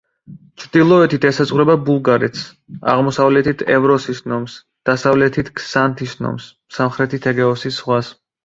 ჩრდილოეთით ესაზღვრება ბულგარეთს, აღმოსავლეთით ევროსის ნომს, დასავლეთით ქსანთის ნომს, სამხრეთით ეგეოსის ზღვას.